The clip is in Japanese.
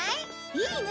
いいね！